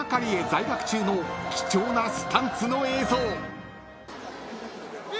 在学中の貴重なスタンツの映像］